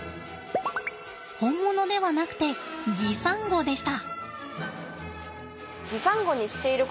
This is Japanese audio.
本物ではなくて擬サンゴでした。